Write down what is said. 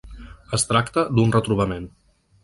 Es tracta d’un retrobament.